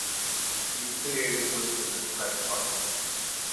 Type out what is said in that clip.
He is affiliated with the Democratic Party.